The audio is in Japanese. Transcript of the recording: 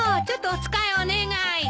ちょっとお使いお願い。